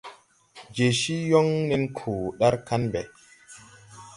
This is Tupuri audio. Je cii yoŋ nen koo dar kaŋ ɓɛ.